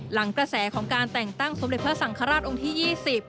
หลังกระแสของการแต่งตั้งสมเด็จพระสังฆราชองค์ที่๒๐